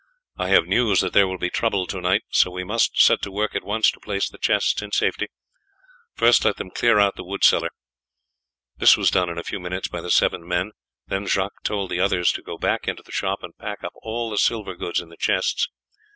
"I have news that there will be trouble to night, so we must set to work at once to place the chests in safety. First let them clear out the wood cellar." This was done in a few minutes by the seven men, then Jacques told the others to go back into the shop and pack up all the silver goods in the chests.